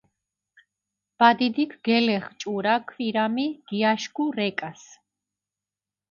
ბადიდიქ გელეღჷ ჭურა ქვირამი, გიაშქუ რეკას.